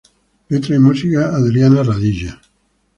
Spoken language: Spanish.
Letra y música: Adriana Radilla